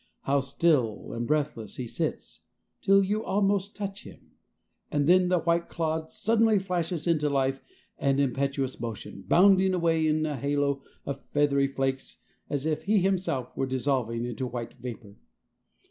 How still and breathless he sits till you almost touch him, and then the white clod suddenly flashes into life and impetuous motion, bounding away in a halo of feathery flakes as if he himself were dissolving into white vapor.